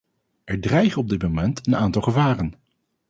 Er dreigen op dit moment een aantal gevaren.